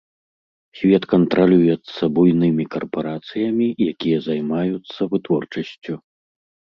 Свет кантралюецца буйнымі карпарацыямі, якія займаюцца вытворчасцю.